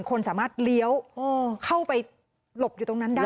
คนสามารถเลี้ยวเข้าไปหลบอยู่ตรงนั้นได้